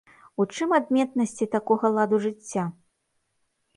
У чым адметнасці такога ладу жыцця?